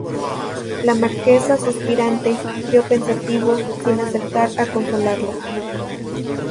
la Marquesa suspirante, yo pensativo, sin acertar a consolarla.